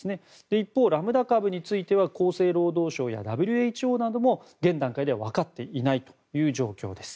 一方、ラムダ株については厚生労働省やＷＨＯなども現段階ではわかっていないという状況です。